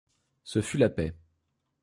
Ce fut la paix.